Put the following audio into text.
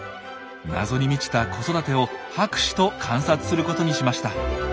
謎に満ちた子育てを博士と観察することにしました。